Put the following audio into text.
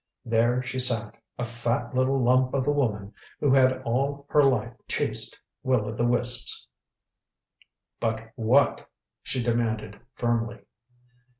There she sat, a fat little lump of a woman who had all her life chased will o' the wisps. "But what?" she demanded firmly.